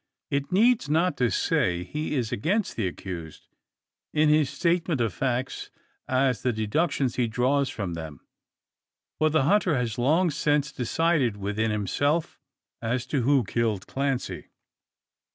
It needs not to say, he is against the accused, in his statement of facts, as the deductions he draws from them. For the hunter has long since decided within himself, as to who killed Clancy.